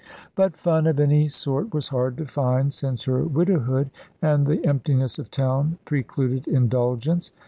But fun of any sort was hard to find, since her widowhood and the emptiness of town precluded indulgence.